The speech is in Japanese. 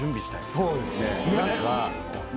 そうですね。